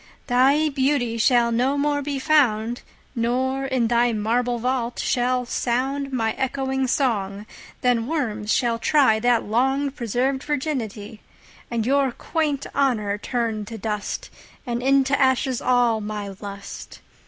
Thy Beauty shall no more be found; Nor, in thy marble Vault, shall soundMy ecchoing Song: then Worms shall tryThat long preserv'd Virginity:And your quaint Honour turn to dust; And into ashes all my Lust.